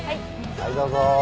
はいどうぞ。